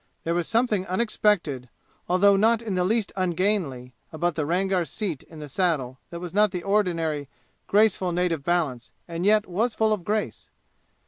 There was something unexpected, although not in the least ungainly, about the Rangar's seat in the saddle that was not the ordinary, graceful native balance and yet was full of grace.